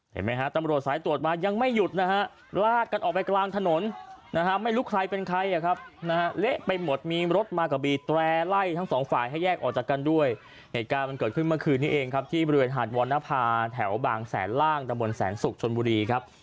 เห็นไหมฮะตำรวจสายตรวจมายังไม่หยุดนะฮะลากกันออกไปกลางถนนนะฮะไม่รู้ใครเป็นใครอ่ะครับนะฮะเละไปหมดมีรถมากับบีแตร่ไล่ทั้งสองฝ่ายให้แยกออกจากกันด้วยเหตุการณ์มันเกิดขึ้นเมื่อคืนนี้เองครับที่บริเวณหาดวรรณภาแถวบางแสนล่างตะบนแสนศุกร์ชนบุรีครับ